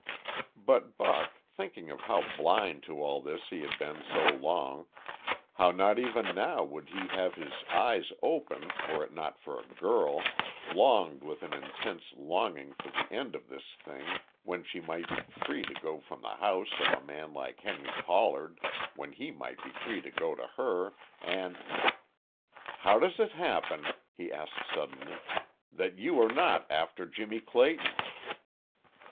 But Buck, thinking of how blind to all this he had been so long, how not even now would he have his eyes open were it not for a girl, longed with an intense longing for the end of this thing when she might be free to go from the house of a man like Henry Pollard, when he might be free to go to her and... "How does it happen," he asked suddenly, "that you are not after Jimmie Clayton?"